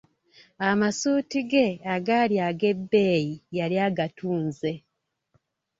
Amasuuti ge agaali ag'ebbeyi, yali agatunze.